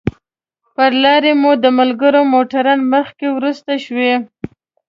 پر لاره مو د ملګرو موټران مخکې وروسته شوي.